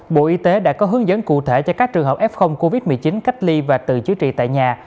bộ y tế đã có hướng dẫn cụ thể cho các trường hợp f covid một mươi chín cách ly và tự chữa trị tại nhà